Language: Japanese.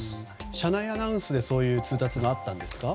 車内アナウンスでそういう通達があったんですか？